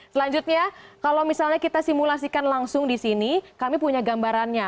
selanjutnya kalau misalnya kita simulasikan langsung di sini kami punya gambarannya